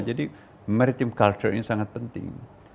jadi maritim culture ini sangat penting